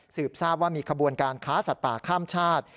ทราบว่ามีขบวนการค้าสัตว์ป่าข้ามชาติ